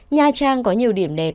nha trang có nhiều điểm đẹp